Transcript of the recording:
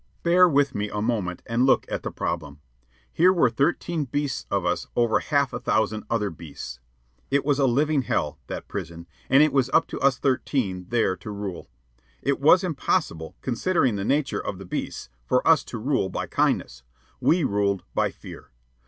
Bear with me a moment and look at the problem. Here were thirteen beasts of us over half a thousand other beasts. It was a living hell, that prison, and it was up to us thirteen there to rule. It was impossible, considering the nature of the beasts, for us to rule by kindness. We ruled by fear.